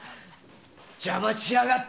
邪魔しやがって。